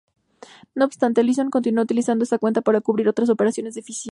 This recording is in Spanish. No obstante, Leeson continuó utilizando esta cuenta para cubrir otras operaciones deficitarias.